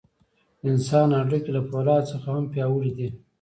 د انسان هډوکي له فولادو څخه هم پیاوړي دي.